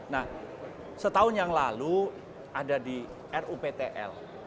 nah setahun yang lalu ada di ruptl